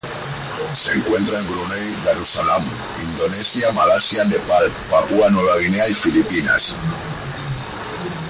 Se encuentra en Brunei Darussalam, Indonesia Malasia, Nepal, Papúa Nueva Guinea y Filipinas.